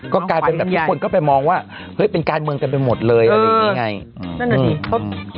ก็กลายเป็นแบบที่คนก็ไปมองว่าเฮ้ยเป็นการเมืองกันไปหมดเลยอะไรอย่างนี้ไง